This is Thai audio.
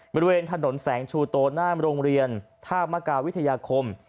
บริเวณถนนแสงชูโตหน้าโรงเรียนท่ามกาวิทยาคม